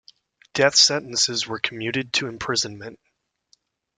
Death sentences were commuted to imprisonment.